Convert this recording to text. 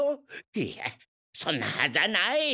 いやそんなはずはない！